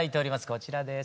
こちらです。